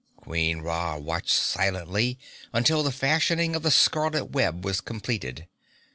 Queen Ra watched silently until the fashioning of the scarlet web was completed.